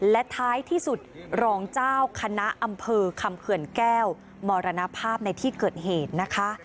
และท้ายที่สุดรองเจ้าคณะอำเภอคำเขื่อนแก้วมรณภาพในที่เกิดเหตุนะคะ